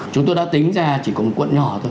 chúng tôi đã tính ra chỉ có một quận nhỏ thôi